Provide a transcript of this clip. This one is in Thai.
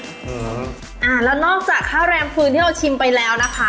อืมอ่าแล้วนอกจากข้าวแรมฟืนที่เราชิมไปแล้วนะคะ